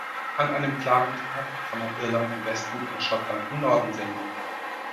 An einem klaren Tag kann man Irland im Westen und Schottland im Norden sehen.